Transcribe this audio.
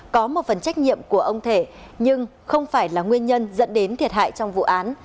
có một phần trách nhiệm của ông thể nhưng không phải là nguyên nhân dẫn đến thiệt hại trong vụ án